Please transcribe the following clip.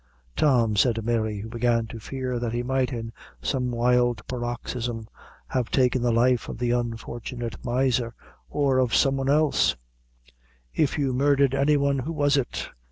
"Tom," said Mary, who began to fear that he might, in some wild paroxysm, have taken the life of the unfortunate miser, or of some one else; "if you murdhered any one, who was it?"